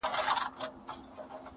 تا څه کوئ اختر د بې اخترو په وطن کي.